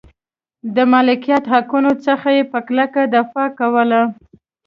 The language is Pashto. د مالکیت حقونو څخه یې په کلکه دفاع کوله.